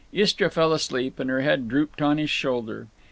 Istra fell asleep, and her head drooped on his shoulder.